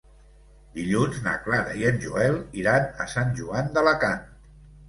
Dilluns na Clara i en Joel iran a Sant Joan d'Alacant.